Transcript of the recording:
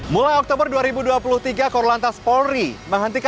mulai oktober dua ribu dua puluh tiga korlantas polri menghentikan